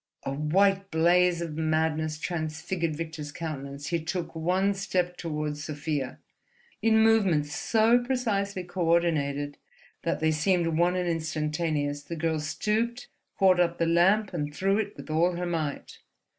A white blaze of madness transfigured Victor's countenance. He took one step toward Sofia. In movements so precisely coordinated that they seemed one and instantaneous, the girl stooped, caught up the lamp, and threw it with all her might.